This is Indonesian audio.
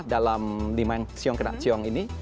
dalam lima yang siong kena ciong ini